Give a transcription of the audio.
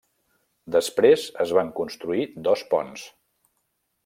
Després es van construir dos ponts.